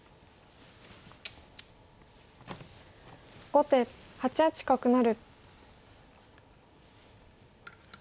後手８八角成。